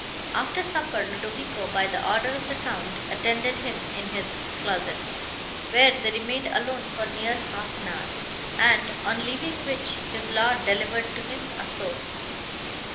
After supper, Ludovico, by the order of the Count, attended him in his closet, where they remained alone for near half an hour, and, on leaving which, his Lord delivered to him a sword.